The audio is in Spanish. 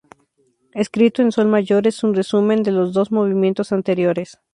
Escrito en sol mayor, es un resumen de los dos movimientos anteriores.